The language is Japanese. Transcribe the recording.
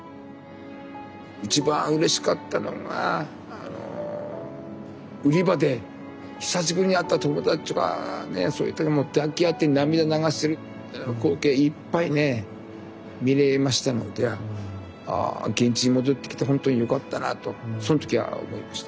一番うれしかったのが売り場で久しぶりに会った友達とかねそういったもう抱き合って涙流してる光景いっぱいね見れましたのであ現地に戻ってきてほんとによかったなとその時は思いました。